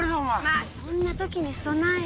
まぁそんな時に備えて。